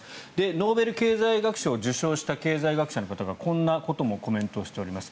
ノーベル経済学賞を受賞した経済学者の方がこんなコメントもしております。